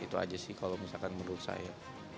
itu aja sih kalau misalkan menurut saya